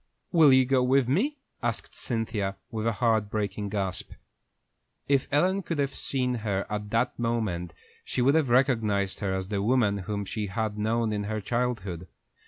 "Will you go with me?" asked Cynthia, with a heart breaking gasp. If Ellen could have seen her at that moment, she would have recognized her as the woman whom she had known in her childhood.